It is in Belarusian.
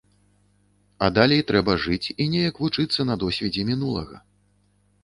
А далей трэба жыць і неяк вучыцца на досведзе мінулага.